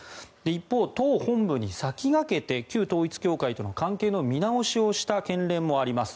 一方、党本部に先駆けて旧統一教会との関係の見直しをした県連もあります。